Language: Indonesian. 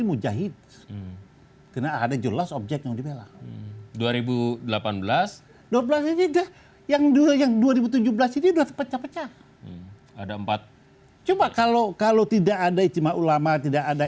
usalem dua yang di sini ada pecah pecah ada empat coba kalau kalau tidak ada ijma'ul papa tidak ada